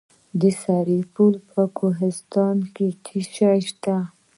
د سرپل په کوهستان کې څه شی شته؟